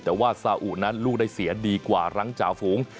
แต่ว่าซาอุนั้นลูกได้เสียดีกว่ารั้งจ่าฝูง